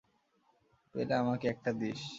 পেলে আমাকে একটা দিস।